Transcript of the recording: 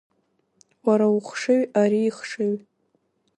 Уара ухшыҩ, ари ихшыҩ…